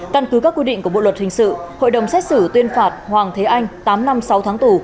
căn cứ các quy định của bộ luật hình sự hội đồng xét xử tuyên phạt hoàng thế anh tám năm sáu tháng tù